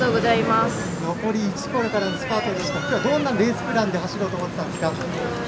残り１ｋｍからのスパートでしたが今日はどんなレースプランで走ろうと思っていたんですか。